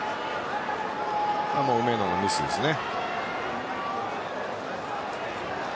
梅野のミスですね。